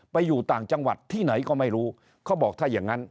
ไปอยู่ต่างจังหวัดที่ไหนก็ไม่รู้เขาบอกถ้าอย่างงั้น